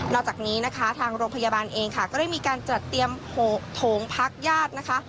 จากนี้นะคะทางโรงพยาบาลเองค่ะก็ได้มีการจัดเตรียมโถงพักญาตินะคะ